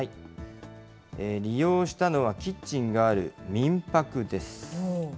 利用したのはキッチンがある民泊です。